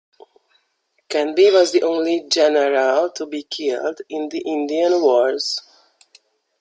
Canby was the only general to be killed in the Indian Wars.